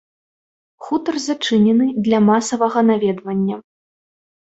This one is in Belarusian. Хутар зачынены для масавага наведвання.